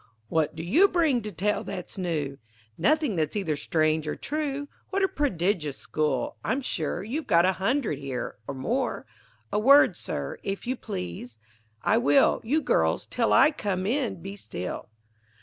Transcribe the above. What do you bring to tell that's new! "Nothing that's either strange or true. What a prodigious school! I'm sure You've got a hundred here, or more. A word, Sir, if you please." I will You girls, till I come in be still.